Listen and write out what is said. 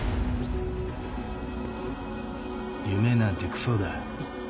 夢なんてクソだ。